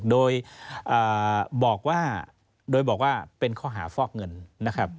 โดยบอกว่าเป็นข้อหาฟอกเงิน